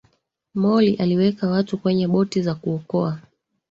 molly aliweka watu kwenye boti za kuokoa